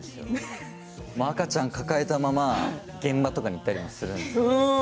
赤ちゃんを抱えたまま現場とかに行ったりするんですよ。